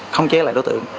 không chế lại đối tượng